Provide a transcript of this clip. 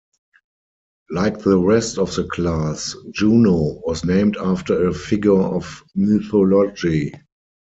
Like the rest of the class, "Juno" was named after a figure of mythology.